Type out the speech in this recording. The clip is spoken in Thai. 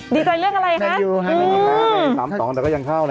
ดีใจเรื่องอะไรคะนายูฮันดีครับสามสองแต่ก็ยังเข้าแล้ว